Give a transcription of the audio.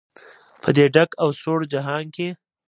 په دې ډک او سوړ جهان کې.